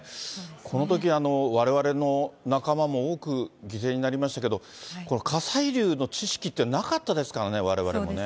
このとき、われわれの仲間も多く犠牲になりましたけど、火砕流の知識ってのはなかったですからね、われわれもね。